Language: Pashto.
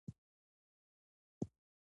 په افغانستان کې هندوکش ډېر اهمیت لري.